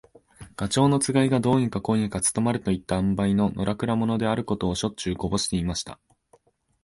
ガチョウの番がどうにかこうにか務まるといった塩梅の、のらくら者であることを、しょっちゅうこぼしていました。